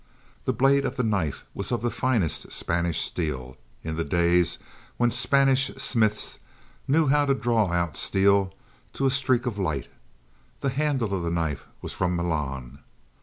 The blade of the knife was of the finest Spanish steel, in the days when Spanish smiths knew how to draw out steel to a streak of light; the handle of the knife was from Milan.